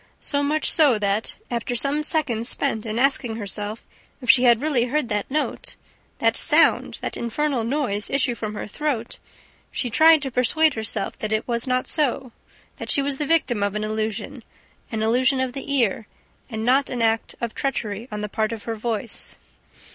So much so that, after some seconds spent in asking herself if she had really heard that note, that sound, that infernal noise issue from her throat, she tried to persuade herself that it was not so, that she was the victim of an illusion, an illusion of the ear, and not of an act of treachery on the part of her voice....